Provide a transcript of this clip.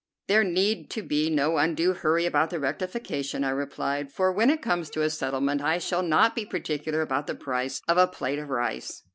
"There need to be no undue hurry about the rectification," I replied, "for when it comes to a settlement I shall not be particular about the price of a plate of rice."